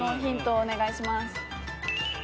お願いします。